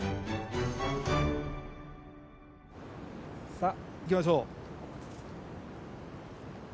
さあ行きましょう。